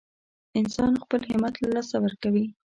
انسان خپل همت له لاسه ورکوي.